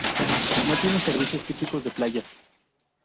No tiene servicios típicos de playas.